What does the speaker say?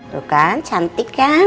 tuh kan cantik kan